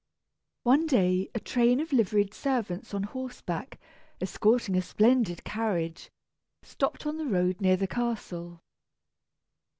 One day a train of liveried servants on horseback, escorting a splendid carriage, stopped on the road near the castle.